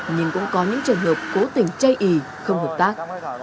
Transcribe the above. nhưng cũng có những trường hợp cố tình chây ý không hợp tác